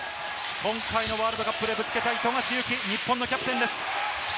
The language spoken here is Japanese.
今回のワールドカップでぶつけたい富樫勇樹、日本のキャプテンです。